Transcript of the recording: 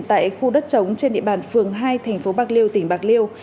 tại khu đất trống trên địa bàn phường hai tp bạc liêu tỉnh bạc liêu